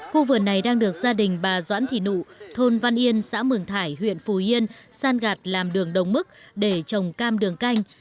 khu vườn này đang được gia đình bà doãn thị nụ thôn văn yên xã mường thải huyện phù yên san gạt làm đường đồng mức để trồng cam đường canh